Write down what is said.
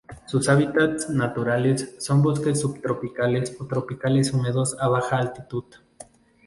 Sus hábitats naturales son bosques subtropicales o tropicales húmedos a baja altitud.